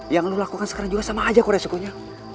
yang lo lakukan sekarang juga sama aja korea sukunya